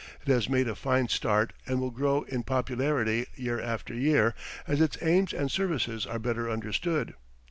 It has made a fine start and will grow in popularity year after year as its aims and services are better understood.